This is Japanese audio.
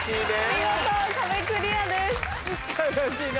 見事壁クリアです。